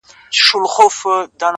خدايه هغه داسي نه وه،